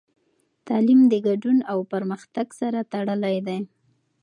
تعلیم د ګډون او پرمختګ سره تړلی دی.